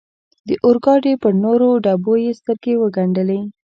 د اورګاډي پر نورو ډبو یې سترګې و ګنډلې.